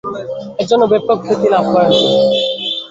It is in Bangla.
এর জন্য ব্যাপক খ্যাতিলাভ করেন তিনি।